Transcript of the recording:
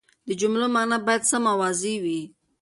د جملو مانا باید سمه او واضحه وي.